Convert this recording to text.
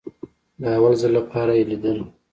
د اول ځل لپاره يې ليدله.